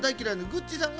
グッチさんが。